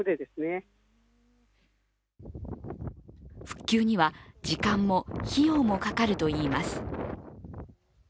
復旧には時間も費用もかかるといいます。